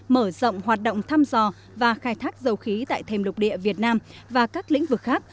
mở rộng hoạt động thăm dò và khai thác dầu khí tại thềm lục địa việt nam và các lĩnh vực khác